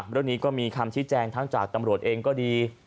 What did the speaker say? เรื่องนี้ก็มีคำชี้แจงทั้งจากตำรวจเองก็ดี